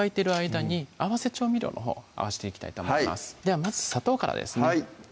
間に合わせ調味料のほうを合わしていきたいと思いますではまず砂糖からですね